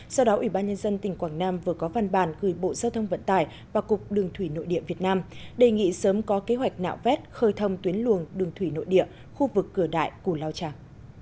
sau đó ủy ban nhân dân tỉnh quảng nam vừa có văn bản gửi bộ giao thông vận tải và cục đường thủy nội địa việt nam đề nghị sớm có kế hoạch nạo vét khơi thông tuyến luồng đường thủy nội địa khu vực cửa đại cù lao tràm